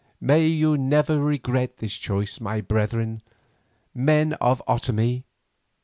May you never regret this choice, my brethren, Men of the Otomie."